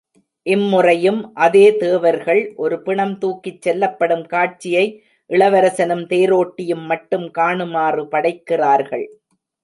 இம்முறையும் அதே தேவர்கள் ஒரு பிணம் தூக்கிச் செல்லப்படும் காட்சியை இளவரசனும் தேரோட்டியும் மட்டும் காணுமாறு படைக்கிறார்கள்.